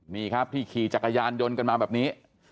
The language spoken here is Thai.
นี่ครับที่ขี่จักรยานยนต์กันมาแบบนี้